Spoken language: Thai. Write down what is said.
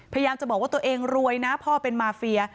พยายามจะบอกว่าตัวเองรวยนะพ่อเป็นมาเฟีย